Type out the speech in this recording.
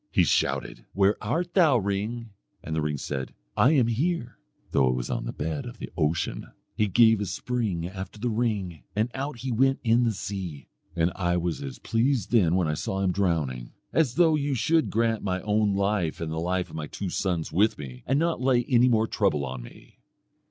He shouted, 'Where art thou, ring?' And the ring said, 'I am here,' though it was on the bed of the ocean. He gave a spring after the ring, and out he went in the sea. And I was as pleased then when I saw him drowning, as though you should grant my own life and the life of my two sons with me, and not lay any more trouble on me.